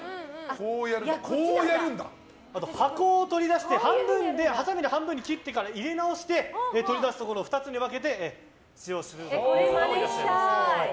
箱を取り出してはさみで半分に切ってから入れ直して取り出すところを２つに分けてこれ、マネしたい。